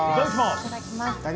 いただきます。